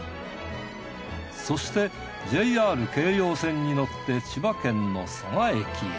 そしてＪＲ京葉線に乗って千葉県の蘇我駅へ。